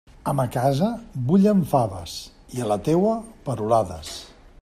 A ma casa bullen faves, i a la teua, perolades.